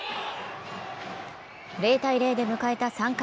０−０で迎えた３回。